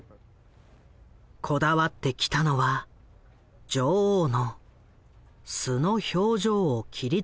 こだわってきたのは女王の素の表情を切り取ることだ。